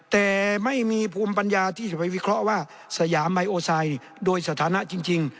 แต่ไม่มีภูมิปัญญาที่จะไปวิเคราะห์ว่าสยามไมโอไซด์โดยสถานะจริง